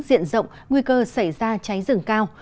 diện rộng nguy cơ xảy ra cháy rừng cao